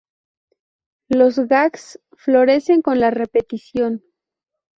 Los gags no florecen con la repetición.